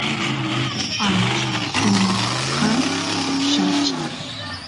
ancha sumaq kan yacha